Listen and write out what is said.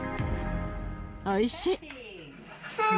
おいしい。